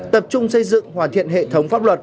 tập trung xây dựng hoàn thiện hệ thống pháp luật